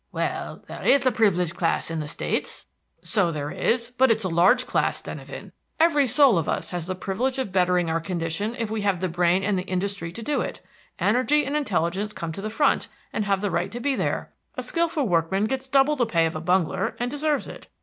"Well, there is a privileged class in the States." "So there is, but it's a large class, Denyven. Every soul of us has the privilege of bettering out condition if we have the brain and the industry to do it. Energy and intelligence come to the front, and have the right to be there. A skillful workman gets double the pay of a bungler, and deserves it.